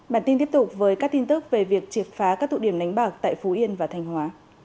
bản tin tiếp tục với các tin tức về việc triệt phá các tụ điểm đánh bạc tại phú yên và thanh hóa